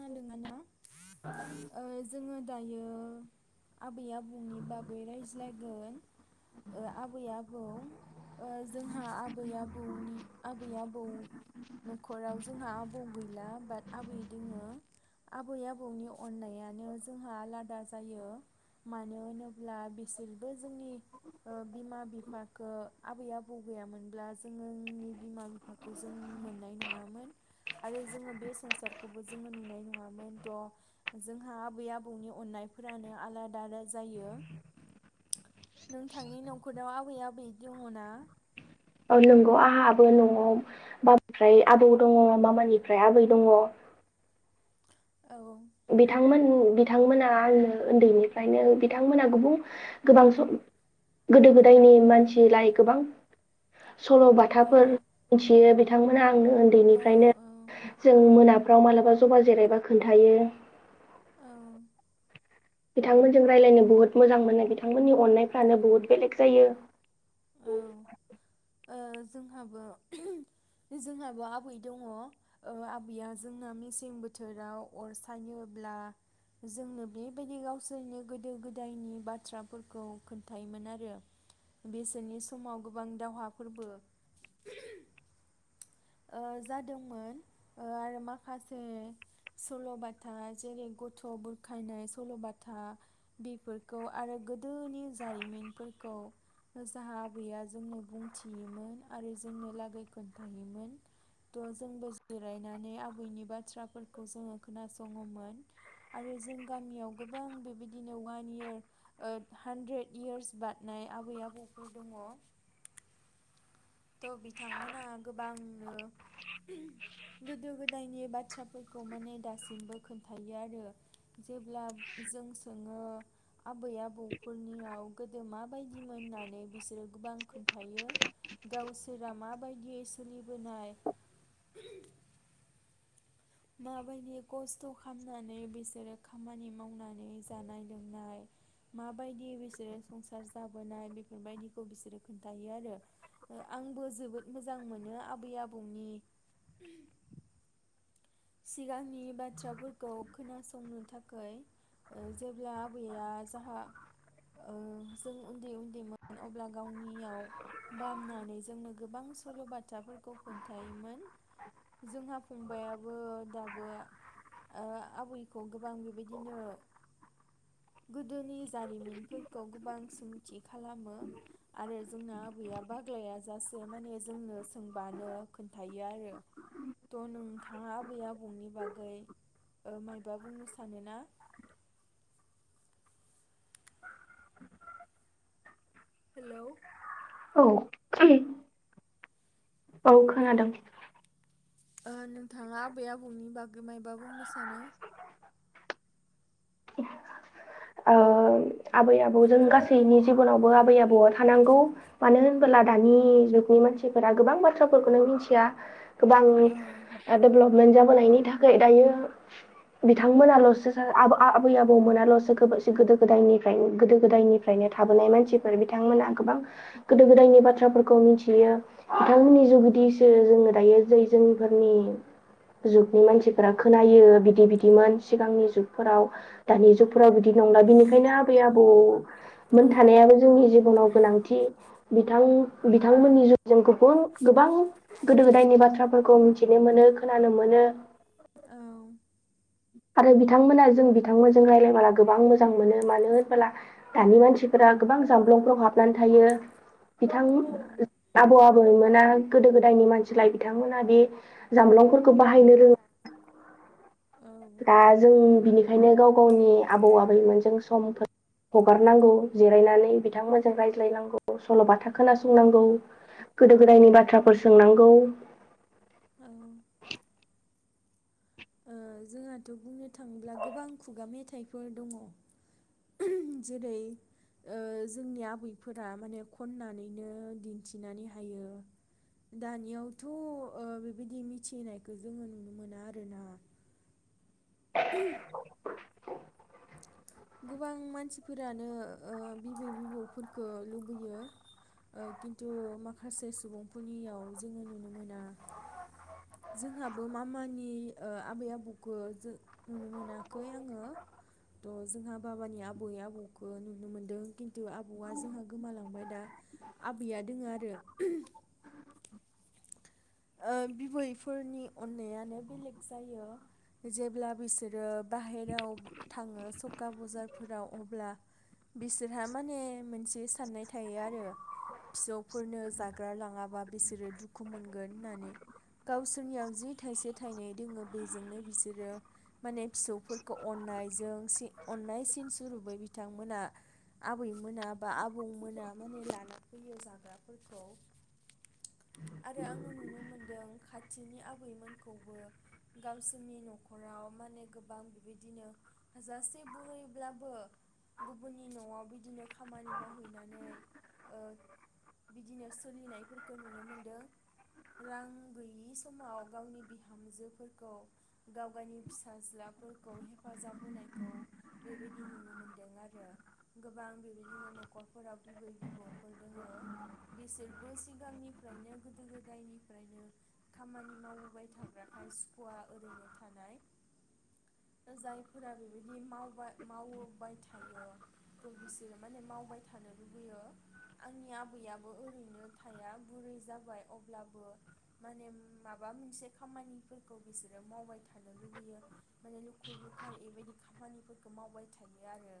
खोनादों नामा ओ जोङो दायो आबै आबौनि बागै रायज्लायगोन ओ आबै आबौ ओ जोंहा आबै आबौनि आबै आबौ न'खराव जोंहा आबौ गैला बाट आबै दोङो। आबै आबौनि अननायानो जोंहा आलादा जायो मानो होनोब्ला बिसोरबो जोंनि ओ बिमा बिफाखो आबै आबौ गैयामोनब्ला जोंङो जोंनि बिमा बिफाखौ जों मोननाय नङामोन आरो जोंङो बे संसार खौबो जोंङो नुनाय नङामोन थ' जोंहा आबै आबौनि अननायफोरानो आलादा आदा जायो नोंथांनि न'खराव आबै आबै दङना औ नंगौ आंहाबो न'आव बाबानिफ्राय आबौ दङ माबानिफ्राय आबै दङ औ बिथांमोन बिथांमोना आंनो उन्दैनिफ्रायनो बिथांमोना गुबुं गोबां सम गोदो गोदायनि मानसिलाय गोबां सल' औ बाथाफोर मिथियो थांनामोना आंङो औ उन्दैनिफ्रायनो जों मोना फ्राव मालाबा जबा जिरायबा खोन्थायो। औ बिथांमोनजों रायलायनो बहुत मोजां मोनो बिथांमोननि अननायफ्रानो बुहुत बेलेग जायो। औ बेसोरनि समाव गोबां दावहा फोरबो ओ जादोंमोन आरो माखासे सल'बाथा जेरै गथ' बुरखायनाय सल'बाथा बेफोरखौ आरो गोदोनि जारिमिनफोरखौ जाहा आबैया जोंनो बुंथियोमोन आरो जोंनो लागै खोन्थायोमोन। थ' जोंबो जिरायनानै आबैनि बाथ्राफोरखौ जोंङो खोनासङोमोन आरो जों गामियाव गोबां बेबायदिनो वान इयार हानद्रेड इयार्स बारनाय आबै आबौफोर दंङ। थ' बिथांमोना गोबांनो गोदो गोदायनि बाथ्राफोरखौ माने दासिमबो खोन्थायो आरो जेब्ला जों सोङो आबै आबौफोरनियाव गोदो माबायदिमोन होननानै बिसोरो गोबां खोन्थायो। गावसोरा माबायदियै सोलिबोनाय। माबायदि खस्थ' खालामनानै बिसोरो खामानि मावनानै जानाय लोंनाय माबायदि बिसोरो संसार जाबोनाय बेफोरबायदिखौ बिसोरो खोन्थायो आरो आंबो जोबोद मोजां मोनो आबै आबौनि सिगांनि बाथ्राफोरखौ खोनासंनो थाखाय जेब्ला आबैया जाहा ओ जों उन्दै उन्दैमोन अब्ला गावनियाव बामनानै जोंनो गोबां सल' बाथ्राफोरखौ खोन्थायोमोन जोंहा फंबाया बो दाबो ओ आबैखौ गोबां बेबायदिनो गोदोनि जारिमिनफोरखौ गोबां सोंथि खालामो आरो जोंना आबैया बाग्लायाजासे माने जोंनो सोंबानो खोन्थायो आरो थ' नों थाङा आबै आबौनि बागै ओ मायबा बुंनो सानोना? हेलौ औ [unintelligible] औ खोनादों। ओ नोंथांङा आबै आबौनि बागै मायबा बुंनो सानो? ओ आबै आबौजों गासैनि जिबनावबो आबै आबौआ थानांगौ मानो होनबोला दानि जुगनि मानसिफोरा गोबां बाथ्राफोरखौनो मिनथिया, गोबां औ देब'लप, मोनजाबोनायनि थाखाय दायो बिथांमोनाल'सो आ आबै आबौमोनाल'सो, गो गोदो‌ गोदायनिफ्राय गोदो गोदायनिफ्रायनो थाबोनाय मानसिफोर बिथांमोनहा गोबां गोदो गोदायनि बाथ्राफोरखौ मिथियो बिथांमोननि जुगेदिसो जोंङो दायो जै जोंफोरनि जुगनि मानसिफोरा खोनायो बिदि बिदिमोन सिगांनि जुगफोराव दानि जुगफोराव बि बिदि नंला बिनिखायनो आबै आबौ मोन औ थानायाबो जोंनि जिबनाव गोनांथि बिथां बिथांमोननि गुबुन गोबां गोदो गोदायनि बाथ्राफोरखौ मिथिनो मोनो खोनानो मोनो, औ आरो बिथांमोना जों बिथांमोनजों रायज्लायबोला गोबां मोजां मोनो होनबोला दानि मानसिफोरा गोबां जामबुंफ्राव हाबनानै थायो बिथां औ आबौ आबैमोना गोदो गोदायनि मानसिलाय बिथांमोना बे जामबुंनफोरखौ बाहायनो रों औ दा जों बिनिखायनो गाव गावनि आबौ आबैमोनजों समफोर हगारनांगौ जिरायनानै बिथांमोनजों रायज्लायनांगौ सल'बाथा खोनासंनांगौ गोदो गोदायनि बाथ्राफोर सोंनांगौ, औ ओ जोंहाथ' बुंनो थाङोब्ला गोबां खुगा मेथाइफोर दङ जेरै ओ जोंनि आबैफोरा माने खननानैनो दिन्थिनानै हायो दानियावथ' ओ बेबायदि मिथिनायखौ जोङो नुनो मोना आरोना? गोबां मानसिफोरानो ओ बिबै बिबौफोरखौ लुबैयो ओ खिन्थु माखासे सुबुंफोरनियाव जोङो नुनो मोना, जोंहाबो मामानि ओ आबै आबौखो जो नुनो मोनाखै आङो थ' जोंहा बाबानि आबै आबौखौ नुनो मोनदों खिन्थु आबौआ जोंहा गोमालांबाय दा आबैया दोङो आरो ओ बिबैफोरनि अननायानो बेलेग जायो जेब्ला बिसोरो बाहेराव थाङो सखा बाजारफोराव अब्ला बिसोरहा माने मोनसे साननाय थायो आरो फिसौफोरनो जाग्रा लाङाबा बिसोरो दुखु मोन गोन होननानै गावसोरनियाव जि थायसे थाइनै दोङो बेजोंनो बिसोरो माने फिसौफोरखौ अनायजों अननाय सिन सुरपै बिथांमोना आबै मोना बा आबौमोना माने लाना फैयो जाग्राफोरखौ आरो आं आं नुनो मोनदों खाथिनि आबैमोनखौबो गावसोरनि न'खराव माने गोबां बिदिनो हाजासे बुरैब्लाबो गुबुननि न'आव बिदिनो खामानि मावहैनानै ओ बिदिनो सोलिनायफोरखौ नुनो मोनदों। रां गैयि समाव गावनि बिहामजोफोरखौ गाव गायनि फिसाज्लाफोरखौ हेफाजाब होनायखौ बेबायदि नुनो मोनदों आरो गोबां बेबायदिनो न'खरफोराव बिबै बिबौफोर दङो बिसोरबो सिगांनिफ्रायनो गोदो गोद जायनिफ्रायनो खामानि मावबाय थाग्राखाय सुखुवा ओरैनो थानाय जायफोरा बेबायदि मावबाय मावबाय थायो थ' बिसोरो माने मावबाय थानो लुबैयो आंनि आबैयाबो ओरैनो थाया बुरै जाबाय अब अब्लाबो माने माबा मोनसे खामानिफोरखौ बिसोरो मावबाय थानो लुबैयो माने लुखुर लुखार बेबायदि खामानिफोरखौ मावबाय थायो आरो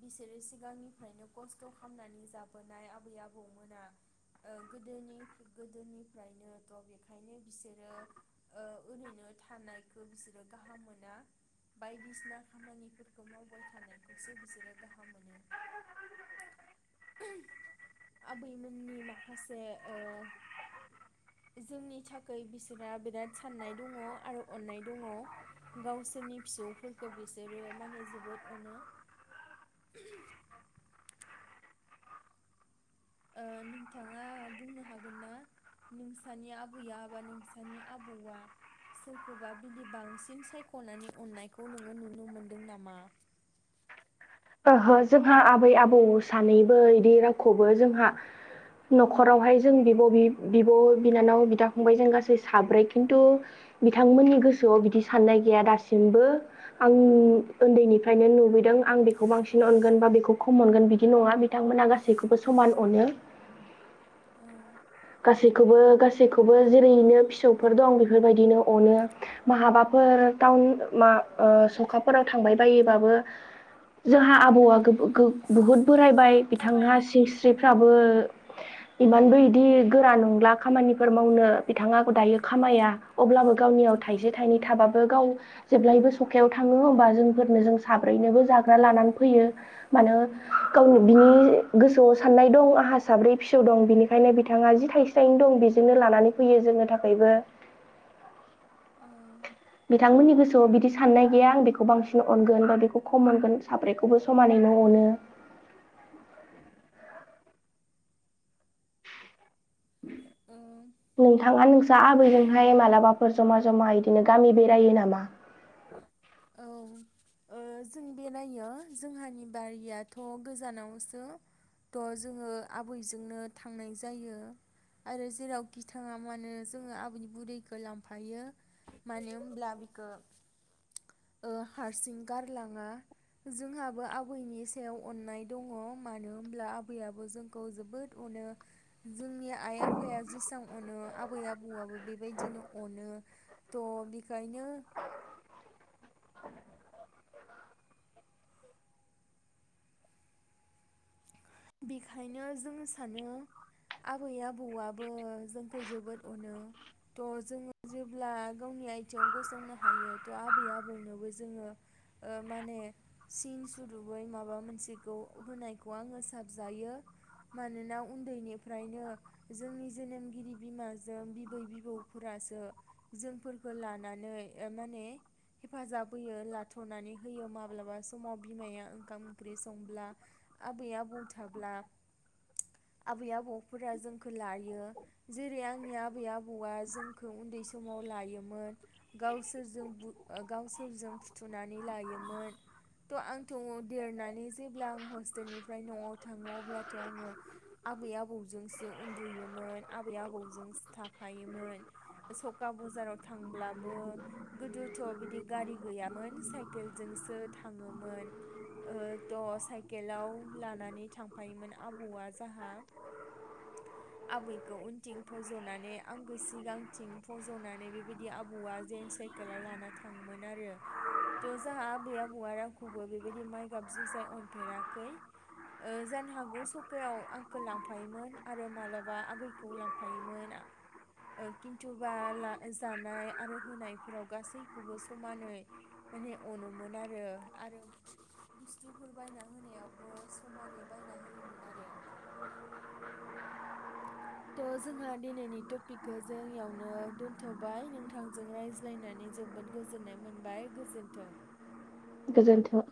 बिसोरो सिगांनिफ्रायनो खस्थ' खालामनानै जाबोनाय आबै आबौमोना गोदोनि गोदोनि, ओमफ्रायनोथ' बेखायनो बिसोरो ओ ओरैनो थानायखौ बिसोरो गाहाम मोना बायदिसिना खामानिफोरखौ मावबाय थानायखौसो बिसोरो गाहाम मोनो आबैमोननि माखासे ओ जोंनि थाखाय बिसोरहा बिराद साननाय दङ आरो अन्नाय दङ गावसोरनि फिसौफोरखौ बिसोरो माने जोबोद अनो, ओ नोंथाङा बुंनो हागोन ना नोंसानि आबैया बा नोंसानि आबौआ सोरखौबा बिदि बांसिन सायख'नानै अननायखौ नोङो नुनो मोनदों नामा? ओहो जोंहा आबै आबौ सानैबो इदि रावखौबो जोंहा न'खरावहाय जों बिब बिब' बिनानाव बिदा फंबाय जों गासै साब्रै खिन्थु बिथांमोननि गोसोआव बिदि साननाय गैया दासिमबो आं उन्दैनिफ्रायनो नुबोदों आं बेखौ बेखौ बांसिन अनगोन बा बेखौ खम मोननगोन बिदि नङा बिथांमोना गासैखौबो समान अनो, औ गासैखौबो गासैखौबो जेरैनो फिसौफोर दं बेफोरबायदिनो अनो बिदिनो अनो महाबाफोर टाउन मा सखाफोराव थांबाय बायोबाबो जोंहा आबौआ बहुद बोराय बाय जाहैबाय बिथाङा सिनस्रि फोराबो इमानबो इदि गोरा नंला खामानिफोर मावनो बिथाङा दायो खामाया अब्लाबो गावनियाव थाइसे ओं थाइनै थाबाब बो गाव जेब्लायबो सखायाव थाङो होमबा जोंफोरनो जों साब्रैनोबो जाग्रा लानानै फैयो, मानो औ गावनो बिनि गोसोआव साननाय दं आंहा साब्रै फिसौ दं बेनिखायनो बिथां बिथाङा जि थाइसे थाइनै दं बेजोंनो लानानै फैयो जोंनि थाखायबो, औ बिथांमोननि गोसोआव बिदि साननाय गैया आं बेखौ बांसिन अनगोन बा बेखौ खम मोनगोन साब्रैखौबो समानैनो अनो, ओं [inaudible] नोंथाङा नों जा आबैजोंहाय मालाबाफोर जमा जमा बिदिनो गामि बेरायो नामा? औ ओ जों बेरायो जोंहानि बारियाथ' गोजानावसो थ' जोङो आबैजोंनो थांनाय जायो आरो जेरावखि थाङा मानो जोङो आबै बुरैखौ लांफायो मानो होनब्ला बिखो ओ हारसिं गारलाङा जोंहाबो आबैनि सायाव अननाय दङ मानो होमब्ला आबैयाबो जोंखौ जोबोद अनो जोंनि आइ आफाया जेसां अनो आबै आबौआबो बेबायदिनो अनो थ' बेखायनो बेखायनो जों सानो आबै आबौआबो जोंखौ जोबोद अनो थ' जोङो जेब्ला गावनि आइथिंआव गसंनो हायो थ' आबै आबौनोबो जोङो ओ माने सिन सुदुबै माबा मोनसेखौ होनायखौ आङो सानो जायो मानोना उन्दैनिफ्रायनो जोंनि जोनोमगिरि बिमाजों बिबै बिबौफोरासो जोंफोरखौ लानानै माने हेफाजाब होयो लाथनानै होयो माब्लाबा समाव बिमाया ओंखाम ओंख्रि संब्ला आबै-आबौ थाब्ला आबै-आबौफोरा जोंखौ लायो जेरै आंनि आबै-आबौआ जोंखौ उन्दै समाव लायोमोन ग गावसोरजों फुथुनानै लायोमोन थ' आंथ' देरनानै जेब्ला आं हस्टेलनिफ्राय न'आव थाङो अब्लाथ' आङो आबै-आबौजोंसो उन्दुयोमोन आबै-आबौजोंसो थाफायोमोन सखा बाजाराव थांब्लाबो गोदोथ' बिदि गारि गैयामोन साइकेलजोंसो थाङोमोन थ' साइकेलाव लानानै थांफायोमोन आबौआ जाहा आबैखौ उनथिं फज'नानै आंगो सिगांथिं फज'नानै बेबायदि आबौआ जेेनस साइकेलाव लाना थाङोमोन आरो थ' जाहा आबै आबौआ रावखौबो बेबायदि माइ गाब जुजाय अनफेराखै ओ जानो हागौ सखायाव आंखौ लांफायोमोन आरो माबलाबा आगैखौ लांफायोमोन खिन्थुबा जानाय आरो होनायफोराव गासैखौबो समानै माने अनोमोन आरो आरो बुस्थुफोर बायना होनायावबो समानै बायना होयोमोन आरो थ' जोंहा दिनैनि टपिकखौ जों इयावनो दोनथ'बाय नोंथांजों रायज्लायनानै जोबोद गोजोननाय मोनबाय गोजोन्थों। गोजोन्थों।